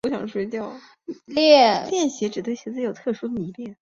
恋鞋指对于鞋子有特殊迷恋。